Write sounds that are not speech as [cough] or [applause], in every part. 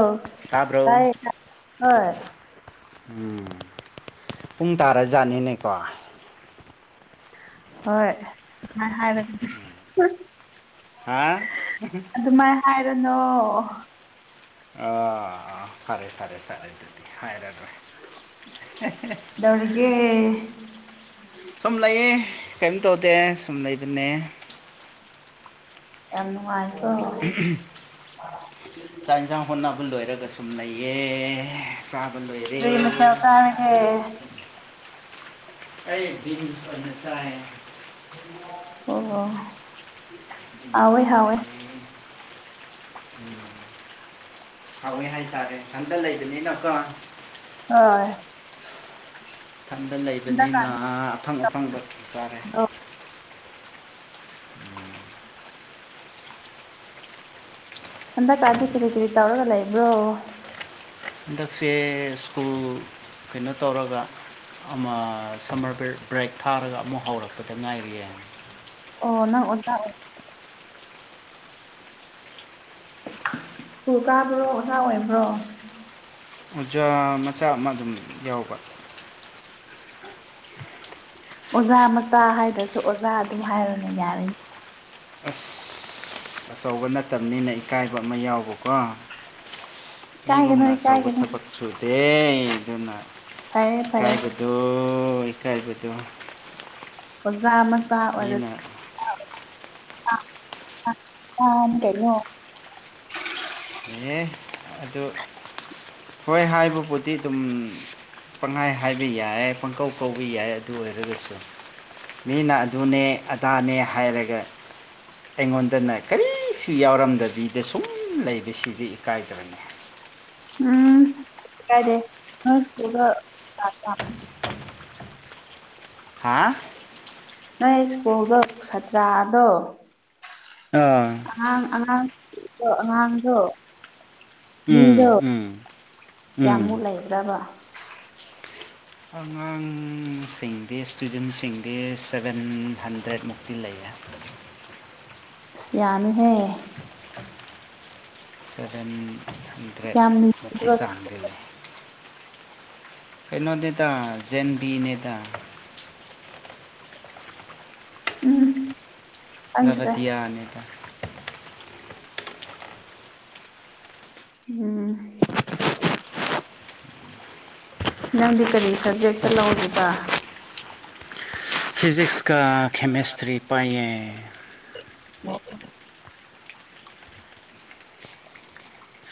ꯑ ꯇꯥꯕ꯭ꯔꯣ ꯀꯥꯏ ꯍꯣꯏ ꯎꯝ ꯄꯨꯡ ꯇꯥꯔꯖꯥꯠꯅꯤꯅꯦꯀꯣ ꯍꯣꯏ ꯁꯃꯥꯏꯅ ꯍꯥꯏꯔꯒꯗꯤ ꯍꯥ ꯑꯗꯨꯃꯥꯏ ꯍꯥꯏꯔꯅꯣ ꯑ ꯐꯔꯦ ꯐꯔꯦ ꯐꯔꯦ ꯍꯥꯏꯔꯗ꯭ꯔꯦ ꯀꯩꯗꯧꯔꯤꯒꯦ ꯁꯨꯝ ꯂꯩꯌꯦ ꯀꯔꯤꯝ ꯇꯧꯗꯦ ꯁꯨꯝ ꯂꯩꯕꯅꯦ ꯌꯥꯝ ꯅꯨꯡꯉꯥꯏꯀꯣ ꯆꯥꯛ ꯌꯦꯟꯁꯥꯡ ꯍꯣꯠꯅꯕ ꯂꯣꯏꯔꯒ ꯁꯨꯝꯅꯩꯌꯦ ꯁꯥꯕꯟꯕꯨ ꯍꯔꯦ ꯀꯔꯤ ꯃꯊꯦꯜ ꯆꯥꯔꯒꯦ ꯀꯩꯁꯅ ꯆꯦ ꯑꯣ ꯍꯦ ꯕꯤꯟꯁ ꯍꯦ ꯎꯝ ꯍꯋꯦ ꯍꯥꯏꯇꯥꯔꯦ ꯍꯟꯗ ꯂꯩꯕꯅꯤꯅꯀ ꯍꯣꯏ ꯃꯊꯟꯗ ꯂꯩꯕꯅꯤꯅ ꯍꯟꯗꯛꯀꯥꯟꯗꯤ ꯑꯐꯪ ꯑꯐꯪꯕ ꯆꯥꯔꯦ ꯑꯣ ꯍꯟꯗꯛꯀꯗꯤ ꯀꯔꯤ ꯀꯔꯤ ꯇꯧꯔꯒ ꯂꯩꯕ꯭ꯔꯣ ꯍꯟꯗꯛꯁꯦ ꯁ꯭ꯀꯨꯜ ꯀꯩꯅꯣ ꯇꯧꯔꯒ ꯑꯃ ꯁꯝꯃꯔ ꯕ꯭ꯔꯦꯛ ꯊꯥꯔꯒ ꯑꯃꯨꯛ ꯍꯧꯔꯛꯄꯗ ꯉꯥꯏꯔꯤꯑ ꯑꯣ ꯅꯪ ꯑꯣꯖꯥ ꯎꯨ ꯀꯥꯕ꯭ꯔꯣ ꯑꯣꯖꯥ ꯑꯣꯏꯕ꯭ꯔꯣ ꯑꯣꯖꯥ ꯃꯆꯥ ꯑꯃ ꯑꯗꯨꯝ ꯌꯥꯎꯕ ꯑꯣꯖꯥ ꯃꯆꯥ ꯍꯥꯏꯗ꯭ꯔꯁꯨ ꯑꯣꯖꯥ ꯑꯗꯨꯝ ꯍꯥꯏꯔꯣꯅꯦ ꯌꯥꯔꯅꯤ ꯑꯁ ꯑꯆꯧꯕ ꯅꯠꯇꯕꯅꯤꯅ ꯏꯀꯥꯏꯕ ꯑꯃ ꯌꯥꯎꯕꯀꯣ ꯏꯀꯥꯏꯒꯅꯨ ꯃꯤꯒꯨꯝꯅ ꯑꯆꯧꯕ ꯏꯀꯥꯏꯒꯅꯨ ꯊꯕꯛ ꯁꯨꯗꯦ ꯑꯗꯨꯅ ꯐꯌꯦ ꯐꯌꯦ ꯑꯗꯨ ꯏꯀꯥꯏꯕꯠꯇꯣ ꯑꯣꯖꯥ ꯃꯆꯥ ꯑꯣꯏꯔ ꯃꯤꯅ ꯀꯩꯅꯩꯅ ꯏ ꯑꯗꯨ ꯍꯣꯏ ꯍꯥꯏꯕꯕꯨꯗꯤ ꯑꯗꯨꯝ ꯄꯪꯈꯥꯏ ꯍꯥꯏꯕ ꯌꯥꯏ ꯄꯪꯀꯧ ꯀꯧꯕ ꯌꯥꯏ ꯑꯗꯨ ꯑꯣꯏꯔꯒꯁꯨ ꯃꯤꯅ ꯑꯗꯨꯅꯦ ꯑꯗꯥꯅꯦ ꯍꯥꯏꯔꯒ ꯑꯩꯉꯣꯟꯗꯅ ꯀꯔꯤꯁꯨ ꯌꯥꯎꯔꯝꯗꯕꯤꯗ ꯁꯨꯝ ꯂꯩꯕꯁꯤꯗꯤ ꯏꯀꯥꯏꯗꯕꯅꯤ ꯎꯝꯥꯏꯔꯦꯀꯨ ꯍꯥꯥ ꯅꯪ ꯁ꯭ꯀꯨꯜꯗꯣ ꯁꯥꯇ꯭ꯔꯗꯣ ꯑ ꯑꯉꯥꯡ ꯑꯉꯥꯡꯗꯣ ꯑꯉꯥꯡꯗꯣ ꯎꯝ ꯃꯤꯗꯣ ꯎꯝ ꯎꯝ ꯀꯌꯥꯃꯨꯛ ꯂꯩꯕ꯭ꯔꯕ ꯑꯉꯥꯡꯁꯤꯡꯗꯤ ꯏꯁꯇꯨꯗꯦꯟꯁꯤꯡꯗꯤ ꯁꯚꯦꯟ ꯍꯟꯗ꯭ꯔꯦꯠꯃꯨꯛꯇꯤ ꯂꯩꯌꯦ ꯑꯁ ꯌꯥꯝꯃꯦꯍꯦ ꯁꯚꯦꯟ ꯍꯟꯗ꯭ꯔꯦꯠ ꯌꯥꯝ ꯃꯨꯄꯤꯤ ꯂꯤꯕ꯭ꯔꯣ? ꯆꯥꯡꯗꯤ ꯂꯩ ꯀꯩꯅꯣ ꯅꯦꯇꯥ ꯖꯦꯟꯕꯤ ꯅꯦꯇꯥ ꯎꯝ ꯈꯪꯗ꯭ꯔꯦ ꯕꯗꯤꯌꯥ ꯑꯅꯤꯗ ꯎꯝ ꯅꯪꯗꯤ ꯀꯔꯤ ꯁꯕꯖꯦꯛꯇ ꯂꯧꯔꯤꯕ ꯐꯤꯖꯤꯛꯁ ꯀ ꯀꯦꯃꯦꯁꯇ꯭ꯔꯤ ꯄꯥꯏꯌꯦ ꯑꯣ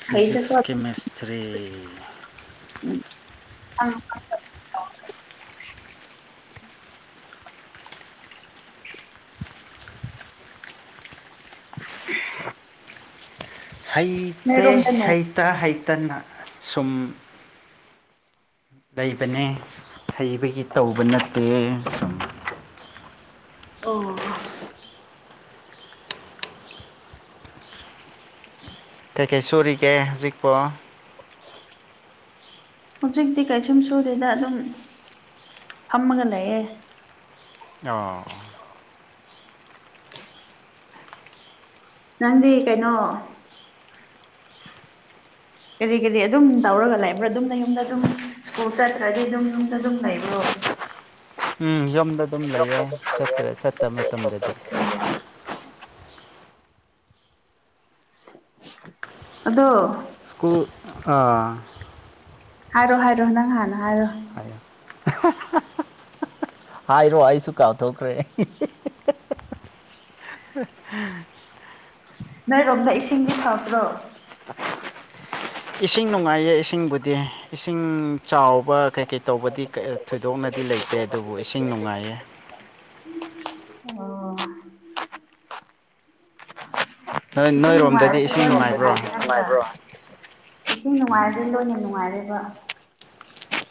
ꯐꯖꯤꯛꯁ ꯐꯩꯗꯀꯣ ꯀꯦꯃꯦꯁꯇ꯭ꯔꯤ ꯎꯝ ꯑ [inaudible] ꯍꯩꯇꯦ ꯅꯣꯏꯔꯣꯝꯗ ꯅꯣꯡ ꯍꯩꯇ ꯍꯩꯇꯅ ꯁꯨꯝ ꯂꯩꯕꯅꯦ ꯍꯩꯕꯒꯤ ꯇꯧꯕ ꯅꯠꯇꯦ ꯁꯨꯝ ꯑꯣ ꯎ ꯀꯩ ꯀꯩ ꯁꯨꯔꯤꯒꯦ ꯍꯧꯖꯤꯛꯄꯣ [inaudible] [inaudible] ꯍꯧꯖꯤꯛꯇꯤ ꯀꯩꯁꯨꯝ ꯁꯨꯗꯦꯗ ꯑꯗꯨꯝ ꯐꯝꯃꯒ ꯂꯩꯌꯦꯦ ꯑꯣ ꯅꯪꯗꯤ ꯀꯩꯅꯣ ꯀꯔꯤ ꯀꯔꯤ ꯑꯗꯨꯝ ꯇꯧꯔꯒ ꯂꯩꯕ꯭ꯔꯥ ꯑꯗꯨꯝꯅ ꯌꯨꯝꯗ ꯑꯗꯨꯝ ꯁ꯭ꯀꯨꯜ ꯆꯠꯇ꯭ꯔꯗꯤ ꯑꯗꯨꯝ ꯌꯨꯝꯗ ꯑꯗꯨꯝ ꯂꯩꯕ꯭ꯔꯣ ꯎꯝ ꯌꯨꯝꯗ ꯑꯗꯨꯝ ꯂꯩꯌꯦꯠꯇ ꯆꯠꯇ ꯃꯇꯝꯗꯗꯤ ꯑꯗꯣ ꯁ꯭ꯀꯨꯜ ꯍꯥꯏꯔꯣ ꯍꯥꯏꯔꯣ ꯅꯪ ꯍꯥꯟꯅ ꯍꯥꯏꯔꯣ ꯍꯥꯏ ꯍꯥꯏ ꯏꯔꯣ ꯑꯩꯁꯨ ꯀꯥꯎꯊꯣꯛꯈ꯭ꯔꯦ ꯅꯣꯏꯔꯣꯝꯗ ꯏꯁꯤꯡꯗꯤ ꯐꯗ꯭ꯔꯣ ꯏꯁꯤꯡ ꯅꯨꯡꯉꯥꯏꯌꯦ ꯏꯁꯤꯡꯕꯨꯗꯤ ꯏꯁꯤꯡ ꯆꯥꯎꯕ ꯀꯩꯀꯩ ꯇꯧꯕꯗꯤ ꯊꯣꯏꯗꯣꯛꯅꯗꯦ ꯗꯤ ꯂꯩꯇꯦ ꯑꯗꯨꯕꯨ ꯏꯁꯤꯡ ꯅꯨꯡꯉꯥꯏꯌꯦ ꯑꯣ ꯅꯣꯏ ꯅꯨꯡꯉꯔ ꯅꯣꯏꯔꯣꯝꯗꯗꯤ ꯏꯁꯤꯡ ꯅꯨꯡꯉꯥꯏꯕ꯭ꯔꯣ ꯏꯁꯤꯡ ꯅꯨꯡꯉꯥꯏꯔꯗꯤ ꯂꯣꯏꯅ ꯅꯨꯡꯉꯥꯏꯔꯦꯕ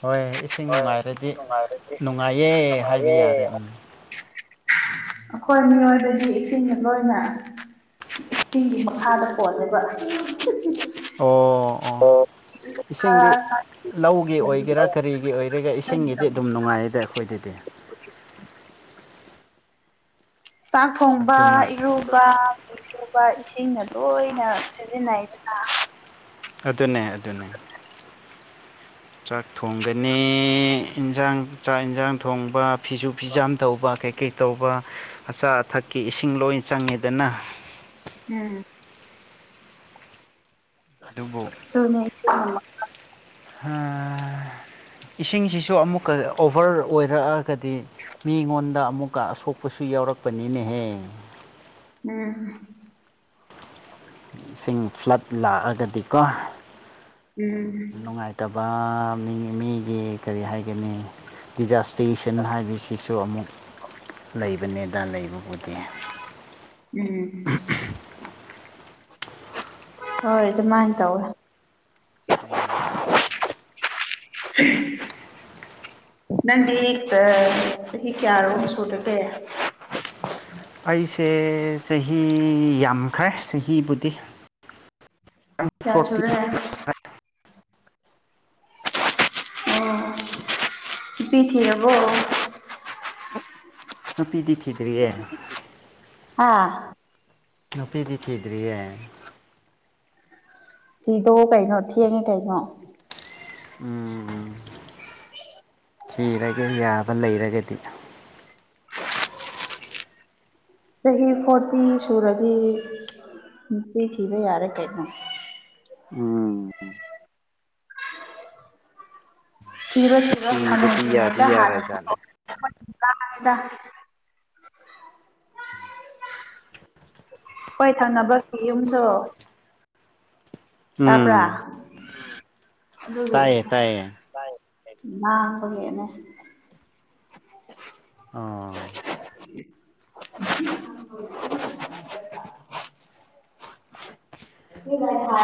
ꯍꯣꯏ ꯏꯁꯤꯡ ꯍꯣꯏ ꯅꯨꯡꯉꯥꯏꯔꯗꯤ ꯅꯨꯡꯉꯥꯏꯔꯦꯗꯤ ꯅꯨꯡꯉꯥꯏꯌꯦ ꯍꯥꯏꯕ ꯅꯨꯡꯉꯥꯏꯦ ꯌꯥꯔꯦ ꯎꯝ ꯑꯩꯈꯣꯏ ꯃꯤꯑꯣꯏꯕꯗꯤ ꯏꯁꯤꯡ ꯂꯣꯏꯅ ꯏꯁꯤꯡꯒꯤ ꯃꯈꯥꯗ ꯄꯣꯜꯂꯦꯕ ꯑꯣ ꯑꯣ ꯏꯁꯤꯡꯗꯤ ꯂꯧꯒꯤ ꯑꯣꯏꯒꯦꯔꯥ ꯀꯔꯤꯒꯤ ꯑꯣꯏꯒꯦꯒ ꯏꯁꯤꯡꯒꯤꯗꯤ ꯑꯗꯨꯝ ꯅꯨꯡꯉꯥꯏꯗ ꯑꯩꯈꯣꯏꯗꯗꯤ ꯆꯥꯛ ꯊꯣꯡꯕ ꯑꯗꯨꯅ ꯏꯔꯨ ꯁꯕ ꯐꯩꯁꯨꯨꯕ ꯏꯁꯤꯡꯅ ꯂꯣꯏꯅ ꯁꯤꯖꯤꯟꯅꯩꯗꯅ ꯑꯗꯨꯅꯦ ꯑꯗꯨꯅꯦ ꯆꯥꯛ ꯊꯣꯡꯒꯅꯤ ꯏꯟꯁꯥꯡ ꯆꯥꯛ ꯌꯦꯟꯁꯥꯡ ꯊꯣꯡꯕ ꯐꯤꯁꯨ ꯐꯤꯖꯥꯝ ꯇꯧꯕ ꯀꯩꯀꯩ ꯇꯧꯕ ꯑꯆꯥ ꯑꯊꯛꯀꯤ ꯏꯁꯤꯡ ꯂꯣꯏ ꯆꯪꯉꯤꯗꯅ ꯎꯝ ꯗꯨꯕꯣꯛ [inaudible] ꯑ ꯏꯁꯤꯡꯁꯤꯁꯨ ꯑꯃꯨꯛꯀ ꯑꯣꯚꯔ ꯑꯣꯏꯔꯛꯑꯒꯗꯤ ꯃꯤꯉꯣꯟꯗ ꯑꯃꯨꯛꯀ ꯑꯁꯣꯛꯄꯁꯨ ꯌꯥꯎꯔꯛꯄꯅꯤꯅꯦꯍꯦ ꯎꯝ ꯁꯤꯡ ꯐ꯭ꯂꯠ ꯂꯥꯛꯑꯒꯗꯤꯀꯣ ꯎꯝ ꯅꯨꯡꯉꯥꯏꯇꯕ ꯃꯤ ꯃꯤꯒꯤ ꯀꯔꯤ ꯍꯥꯏꯒꯅꯤ ꯗꯤꯖꯥꯁ ꯇ꯭ꯋꯤꯁꯟ ꯍꯥꯏꯕꯁꯤꯁꯨ ꯑꯃꯨꯛ ꯂꯩꯕꯅꯦꯗ ꯂꯩꯕꯕꯨꯗꯤ ꯎꯝ ꯍꯣꯏ ꯑꯗꯨꯃꯥꯏꯅ ꯇꯧꯋꯦ ꯎꯝ [inaudible] ꯅꯪꯗꯤ ꯆꯍꯤ ꯀꯌꯥꯔꯣ ꯁꯨꯗꯒꯦ ꯑꯩꯁꯦ ꯆꯍꯤ ꯌꯥꯝꯈ꯭ꯔꯦ ꯆꯍꯤꯕꯨꯗꯤ ꯐꯣꯔꯇꯤ ꯀꯌꯥꯁꯨꯨꯔꯦ ꯑꯣ ꯄꯤ ꯊ ꯑꯕꯣ ꯅꯨꯄꯤꯗꯤꯈꯤꯠ ꯍꯥꯥ ꯅꯨꯄꯤꯗꯤ ꯊꯤꯗ꯭ꯔꯤꯌꯦ ꯊꯤꯗꯣꯑꯣ ꯀꯩꯅꯣ ꯊꯦꯡꯉꯦ ꯀꯩꯅꯣ ꯎꯝ ꯊꯤꯔꯒꯦ ꯌꯥꯕ ꯂꯩꯔꯒꯗꯤ ꯆꯍꯤ ꯐꯣꯔꯇꯤ ꯁꯨꯔꯗꯤ ꯅꯨꯡꯇꯤ ꯊꯤꯕ ꯌꯥꯔꯦ ꯀꯩꯅꯣ ꯎꯝ ꯊꯤꯔꯣ ꯊꯔꯣ ꯊꯤꯕꯗꯤ ꯍꯅꯗ ꯌꯥꯗꯤ ꯍꯅ ꯌꯥꯔꯖꯥꯠꯅꯤ ꯐꯗ ꯍꯣꯏ ꯊꯥꯅꯕꯒꯤ ꯌꯨꯝꯗꯣ ꯇꯥꯄ꯭ꯔꯥ ꯎꯝ ꯑꯗꯨꯗꯤ ꯇꯥꯏꯌꯦ ꯇꯥꯏꯌꯦ ꯦꯅꯦ ꯑꯥ [inaudible]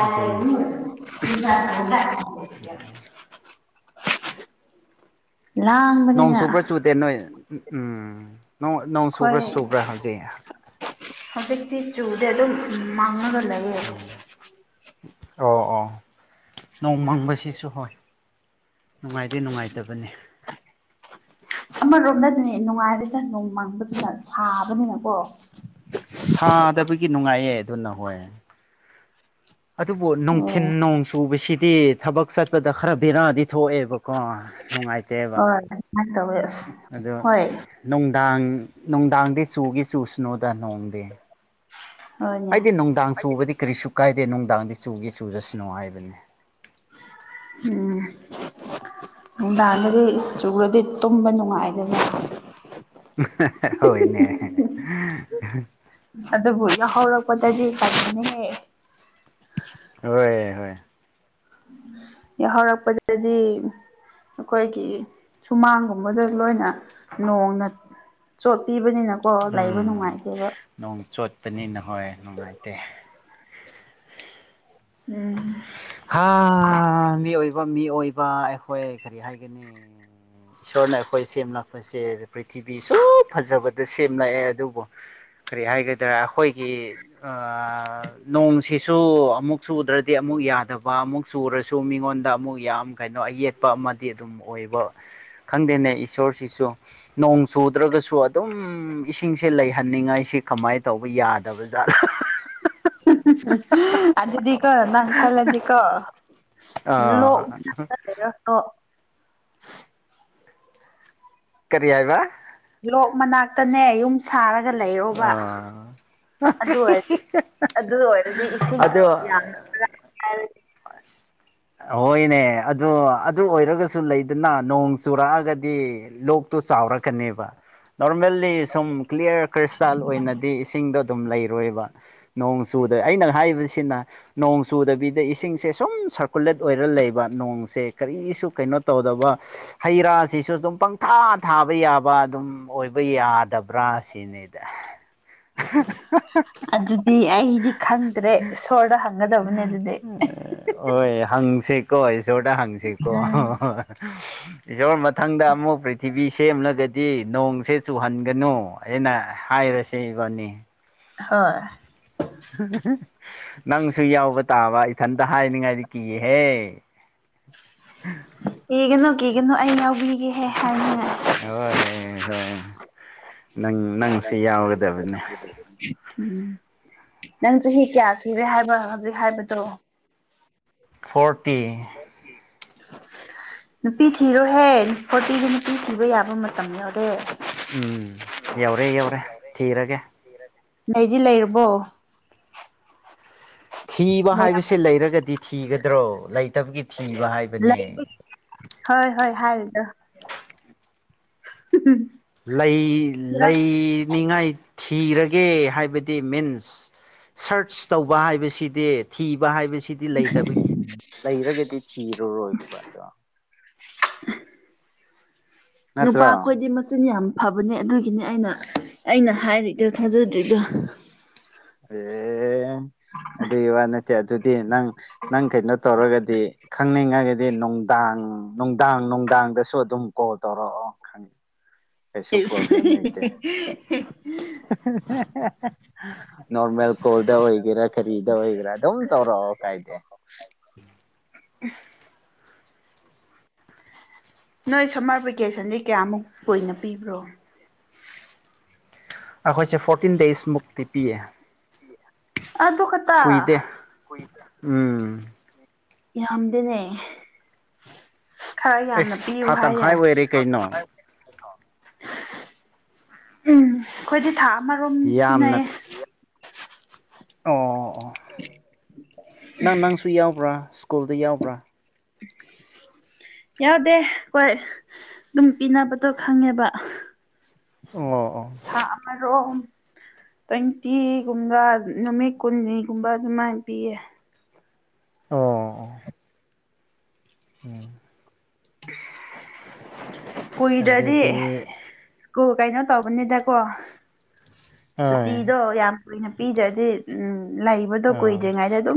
ꯑꯗꯨꯅꯦ ꯅꯣꯡ ꯂꯥꯡꯕꯅꯤꯅ ꯆꯨꯕ꯭ꯔꯥ ꯆꯨꯗꯦ ꯅꯣꯏ ꯎꯝ ꯅꯣꯡ ꯆꯨꯕ꯭ꯔꯥ ꯑꯩꯈꯣꯏ ꯆꯨꯕ꯭ꯔꯥ ꯍꯧꯖꯤꯛ ꯍꯧꯖꯤꯛꯇꯤ ꯆꯨꯗꯤꯦ ꯑꯗꯨꯝ ꯃꯥꯡꯉꯒ ꯂꯩꯌꯦ ꯎꯝ ꯑꯣ ꯑꯣ ꯅꯣꯡꯃꯪꯕꯁꯤꯁꯨ ꯍꯣꯏ ꯅꯨꯡꯉꯥꯏꯗꯤꯦ ꯅꯨꯡꯉꯥꯏꯇꯕꯅꯤ ꯑꯃꯔꯣꯝꯗ ꯑꯗꯨꯅꯦ ꯅꯨꯡꯉꯥꯏꯔꯤꯗ ꯅꯣꯡꯃꯥꯡꯕꯁꯤꯅ ꯁꯥꯥꯕꯅꯤꯅꯀꯣ ꯁꯥꯗꯕꯒꯤ ꯅꯨꯡꯉꯥꯏꯌꯦ ꯑꯗꯨꯅ ꯍꯣꯏ ꯑꯗꯨꯕꯨ ꯅꯨꯡꯊꯤꯤꯟ ꯑꯣ ꯅꯣꯡ ꯆꯨꯕꯁꯤꯗꯤ ꯊꯕꯛ ꯆ ꯆꯠꯄꯗ ꯈꯔ ꯕꯦꯔꯥꯗꯤ ꯊꯣꯛꯑꯦꯕꯀꯣ ꯅꯨꯡꯉꯥꯏꯇꯦꯕ ꯍꯣꯏ ꯇꯧ ꯑꯗꯣ ꯍꯣꯏ ꯅꯨꯡꯗꯥꯡ ꯅꯨꯡꯗꯥꯡꯗꯤ ꯆꯨꯒꯤ ꯆꯨꯁꯅꯨꯗ ꯅꯣꯡꯗꯦ ꯍꯣꯏꯅꯦ ꯍꯥꯏꯗꯤ ꯅꯨꯡꯗꯥꯡ ꯆꯨꯕꯗꯤ ꯀꯔꯤꯁꯨ ꯀꯥꯏꯗꯦ ꯅꯨꯡꯗꯥꯡꯗꯤ ꯆꯨꯒꯦ ꯆꯨꯖꯁꯅꯣ ꯍꯥꯏꯕꯅꯤ ꯎꯝ ꯅꯨꯡꯗꯥꯡꯗꯗꯤ ꯆꯨꯔꯗꯤ ꯇꯨꯝꯕ ꯅꯨꯡꯉꯥꯏꯒꯅꯤ ꯍꯣꯏꯅꯦ ꯑꯗꯨꯕꯨ ꯌꯥꯎꯍꯧꯔꯛꯄꯗꯗꯤ ꯐꯅꯦꯍꯦ ꯍꯣꯏ ꯍꯣꯏ ꯌꯥꯍꯧꯔꯛꯄꯗꯗꯤ ꯑꯩꯈꯣꯏꯒꯤ ꯁꯨꯃꯥꯡꯒꯨꯝꯕꯗ ꯂꯣꯏꯅ ꯅꯣꯡꯅ ꯆꯣꯠ ꯄꯤꯕꯅꯤꯅꯀꯣ ꯂꯩꯕ ꯎꯝ ꯅꯨꯡꯉꯥꯏꯇꯦꯕ ꯅꯣꯡ ꯆꯣꯠꯄꯅꯤꯅ ꯍꯣꯏ ꯅꯨꯡꯉꯥꯏꯇꯦ ꯎꯝ ꯍꯥ ꯃꯤ ꯑꯣꯏꯕ ꯃꯤ ꯑꯣꯏꯕ ꯑꯩꯈꯣꯏ ꯀꯔꯤ ꯍꯥꯏꯒꯅꯤ ꯏꯁꯣꯔꯅ ꯑꯩꯈꯣꯏ ꯁꯦꯝꯅꯄꯁꯦ ꯄ꯭ꯔꯤꯊꯤꯕꯤ ꯁꯨꯝ ꯐꯖꯕ ꯗ ꯁꯦꯝꯂꯛꯑꯦ ꯑꯗꯨꯕꯨ ꯀꯔꯤ ꯍꯥꯏꯒꯗ꯭ꯔꯥ ꯑꯩꯈꯣꯏꯒꯤ ꯅꯣꯡꯁꯤꯁꯨ ꯑꯃꯨꯛ ꯆꯨꯗ꯭ꯔꯗꯤ ꯑꯃꯨꯛ ꯌꯥꯗ ꯑꯗꯨꯒ ꯑꯃꯨꯛ ꯆꯨꯔꯁꯨ ꯃꯤꯉꯣꯟꯗ ꯑꯃꯨꯛ ꯌꯥꯝ ꯀꯩꯅꯣ ꯑꯌꯦꯠꯄ ꯑꯃꯗꯤ ꯑꯗꯨꯝ ꯑꯣꯏꯕ ꯈꯪꯗꯦꯅꯦ ꯏꯁꯣꯔꯁꯤꯁꯨ ꯅꯣꯡ ꯆꯨꯗ꯭ꯔꯒꯁꯨ ꯑꯗꯨꯝ ꯏꯁꯤꯡꯁꯦ ꯂꯩ ꯊꯅꯤꯡꯉꯥꯏꯁꯤ ꯀꯃꯥꯏꯅ ꯇꯧꯕ ꯌꯥꯗꯕ ꯖꯥꯠꯂ [unintelligible] ꯑꯗꯨꯗꯤꯀꯣ ꯅꯪ ꯈꯜꯂꯗꯤꯀꯣ ꯂꯣꯛ ꯑꯥ ꯂꯩꯔ ꯀꯔꯤ ꯍꯥꯏ ꯍꯥꯏꯕ ꯂꯣꯛ ꯃꯅꯥꯛꯇꯅꯦ ꯌꯨꯝ ꯁꯥꯔꯒ ꯂꯩꯔꯣꯕ ꯑꯥ ꯑꯗꯨ ꯑꯣꯏꯔꯗꯤ ꯑꯗꯨ ꯑꯣꯏꯔꯗꯤ ꯏꯁꯤꯡꯗꯣ ꯑꯗꯣ ꯌꯥꯝꯔꯗꯤ ꯍꯣꯏꯅꯦ ꯑꯣ ꯑꯗꯨ ꯑꯣꯏꯔꯒꯁꯨ ꯂꯩꯗꯅ ꯅꯣꯡ ꯆꯨꯔꯛꯑꯒꯗꯤ ꯂꯣꯛꯇꯨ ꯆꯥꯎꯔꯛꯀꯅꯦꯕ ꯅꯣꯔꯃꯦꯜꯂꯤ ꯁꯨꯝ ꯀ꯭ꯂꯤꯌꯥꯔ ꯈ꯭ꯔꯤꯁꯇꯜ ꯑꯣꯏꯅꯗꯤ ꯁꯤꯡꯗꯣ ꯑꯗꯨꯝ ꯂꯩꯔꯣꯏꯕ ꯅꯣꯡ ꯆꯨꯗ ꯑꯩꯅ ꯍꯥꯏꯕꯁꯤꯅ ꯅꯣꯡ ꯆꯨꯗꯕꯤꯗ ꯏꯁꯤꯡꯁꯦ ꯁꯨꯝ ꯁ ꯀꯨꯂꯦꯠ ꯑꯣꯏꯔ ꯂꯩꯕ ꯅꯣꯡꯁꯦ ꯀꯔꯤꯁꯨ ꯀꯩꯅꯣ ꯇꯧꯗꯕ ꯍꯩ ꯔꯥꯁꯤꯁꯨ ꯑꯗꯨꯝ ꯄꯪꯊꯥ ꯊꯥꯕ ꯌꯥꯕ ꯑꯗꯨꯝ ꯑꯣꯏꯕ ꯌꯥꯗꯕ꯭ꯔꯥ ꯁꯤꯅꯤ [unintelligible] ꯑꯗꯨꯗꯤ ꯑꯩꯗꯤ ꯈꯪꯗ꯭ꯔꯦ ꯏꯁꯣꯔꯗ ꯍꯪꯒꯗꯕꯅꯦ ꯑꯗꯨꯗꯤ ꯍꯣꯏ ꯍꯪ ꯁꯦꯀꯣꯁꯣꯔꯇ ꯍꯪ ꯁꯦꯀꯣ ꯎꯝ ꯏꯁꯣꯔ ꯃꯊꯪꯗ ꯑꯃꯨꯛ ꯄꯔꯤ ꯇꯤꯚꯤ ꯁꯦꯝꯂꯒꯗꯤ ꯅꯣꯡꯁꯦ ꯆꯨꯍꯟꯒꯅꯨ ꯑꯩꯅ ꯍꯥꯏꯔꯁꯦ ꯏꯕꯥꯅꯤ ꯍꯣꯏ ꯅꯪꯁꯨ ꯌꯥꯎꯕ ꯇꯥꯕ ꯏꯊꯟꯇ ꯍꯥꯏꯅꯤꯡꯉꯥꯏꯗꯤ ꯀꯤꯌꯦꯦꯍꯦ ꯀꯤꯒꯅꯨ ꯀꯤꯒꯅꯨ ꯑꯩ ꯌꯥꯎꯕꯤꯒꯦꯍꯦ ꯍꯥꯏꯅꯤꯡꯉꯥꯏ ꯍꯣꯏ ꯍꯣꯏ ꯅꯪ ꯅꯪꯁꯤ ꯌꯥꯎꯒꯗꯕꯅꯦ ꯎꯝ ꯅꯪ ꯆꯍꯤ ꯀꯌꯥ ꯁꯨꯔꯦ ꯍꯥꯏꯕ ꯍꯧꯖꯤꯛ ꯍꯥꯏꯕꯗꯣ ꯐꯣꯔꯇꯤ ꯅꯨꯄꯤ ꯊꯤꯔꯣꯍꯦ ꯐꯣꯔꯇꯤꯤꯁꯦ ꯅꯨꯄꯤ ꯊꯤꯕ ꯌꯥꯕ ꯃꯇꯝ ꯑꯣꯔꯦ ꯎꯝ ꯌꯧꯔꯦ ꯌꯧꯔꯦ ꯊꯤꯔꯒꯦ ꯅꯗꯤ ꯂꯩꯔꯕꯣ ꯊꯤꯕ ꯂꯩꯔꯝ ꯍꯥꯏꯕꯕꯁꯤꯦ ꯂꯩꯔꯒꯗꯤ ꯊꯤꯒꯗ꯭ꯔꯣ ꯂꯩꯇꯕꯒꯤ ꯊꯤꯕ ꯍꯥꯏꯕꯅꯦ ꯂꯩꯕꯒꯤ ꯍꯣꯏ ꯍꯣꯏ ꯍꯥꯏꯗ ꯂꯩ ꯂꯩꯅꯤꯡꯉꯥꯏ ꯊꯤꯔꯒꯦ ꯍꯥꯏꯕꯗꯤ ꯃꯤꯟꯁ ꯁꯔꯆ ꯇꯧꯕ ꯍꯥꯏꯕꯁꯤꯗꯤ ꯊꯤꯕ ꯍꯥꯏꯕꯁꯤꯗꯤ ꯂꯩꯇꯕ ꯂꯩꯔꯒꯗꯤ ꯊꯤꯔꯨꯔꯣꯏꯕ ꯑꯗꯣ ꯅꯨꯄꯥ ꯅꯠꯇ꯭ꯔꯣ ꯑꯩꯈꯣꯏꯗꯤ ꯃꯆꯤꯟ ꯌꯥꯝ ꯐꯕꯅꯦ ꯑꯗꯨꯒꯤꯅꯤ ꯑꯩꯅ ꯑꯩꯅ ꯍꯥꯏꯔꯤꯗ ꯈꯥꯖꯗ꯭ꯔꯤꯗꯣ ꯑꯦ ꯑꯗꯨꯗ ꯏ ꯋꯥ ꯅꯠꯇꯦ ꯑꯗꯨꯗꯤ ꯅꯪ ꯅꯪ ꯀꯩꯅꯣ ꯇꯧꯔꯒꯗꯤ ꯈꯪꯅꯤꯡꯉꯒꯗꯤ ꯗꯤ ꯅꯨꯡꯗꯥꯡ ꯅꯨꯡꯗꯥꯡ ꯅꯨꯡꯗꯥꯡꯗꯁꯨ ꯑꯗꯨꯝ ꯀꯣꯜ ꯇꯧꯔꯛꯑꯣ ꯈꯪꯉꯦ ꯀꯩꯁꯨ ꯏꯁ ꯄ꯭ꯔꯣꯕ꯭ꯂꯦꯝ ꯂꯩꯇꯦ [unintelligible] ꯅꯣꯔꯃꯦꯜ ꯀꯣꯜꯗ ꯑꯣꯏꯒꯦꯔꯥ ꯀꯔꯤꯗ ꯑꯣꯏꯒꯦꯔꯥ ꯑꯗꯨꯝ ꯇꯧꯔꯛꯑꯣ ꯀꯥꯏꯗꯦ ꯅꯣꯏ ꯁꯝꯃꯔ ꯚꯦꯀꯦꯁꯟꯗꯤ ꯀꯌꯥꯃꯨꯛ ꯀꯨꯏꯅ ꯄꯤꯕ꯭ꯔꯣ ꯑꯩꯈꯣꯏꯁꯦ ꯐꯣꯔꯇꯤꯟ ꯗꯦꯖꯃꯨꯛꯇꯤ ꯄꯤꯌꯦ ꯑꯗꯨ ꯑꯗꯨ ꯈ ꯀꯨꯏꯗꯦ ꯎꯝ ꯌꯥꯝꯗꯤꯅꯦ ꯈꯔ ꯌꯥꯝꯅ ꯑꯦꯁ ꯄꯤꯌꯨ ꯊꯥ ꯍꯥꯏ ꯇꯪꯈꯥꯏ ꯌꯥꯔꯦ ꯑꯣꯏꯔꯦ ꯎꯝ ꯀꯩꯅꯣ ꯑꯩꯈꯣꯏꯗꯤ ꯊꯥ ꯑꯃꯔꯣꯝ ꯌꯥꯝꯅ ꯄꯤꯟꯅꯩꯌꯦ ꯑꯣ ꯑꯣ ꯅꯪ ꯅꯪꯁꯨ ꯌꯥꯎꯕ꯭ꯔꯥ ꯁ꯭ꯀꯨꯜꯗ ꯌꯥꯎꯕ꯭ꯔꯥ [unintelligible] ꯌꯥꯎꯗꯦ ꯍꯣꯏ ꯑꯗꯨꯝ ꯄꯤꯅꯕꯗꯣ ꯈꯪꯉꯦꯕ ꯑꯣ ꯑꯣ ꯑ ꯔꯣ ꯇ꯭ꯋꯦꯟꯇꯤꯒꯨꯝꯕ ꯅꯨꯃꯤꯠ ꯀꯨꯟꯅꯤꯒꯨꯝꯕ ꯑꯗꯨꯃꯥꯏꯅ ꯄꯤꯌꯦ ꯑꯣ ꯎꯝ ꯀꯏꯗꯗꯤ ꯑꯗꯨꯗꯤ ꯀ ꯀꯩꯅꯣ ꯇꯧꯕꯅꯤꯗꯀꯣ ꯍꯣꯏ ꯁꯨꯇꯤꯗꯣ ꯌꯥꯝ ꯀꯨꯏꯅ ꯄꯤꯗ꯭ꯔꯗꯤ ꯎꯝ ꯂꯩꯕꯗꯣ ꯑꯥ ꯀꯨꯏꯗ꯭ꯔꯤꯉꯩꯗ ꯑꯗꯨꯝ